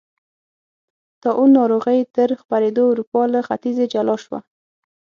طاعون ناروغۍ تر خپرېدو اروپا له ختیځې جلا شوه.